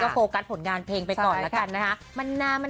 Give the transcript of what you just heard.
เออใช่ค่ะ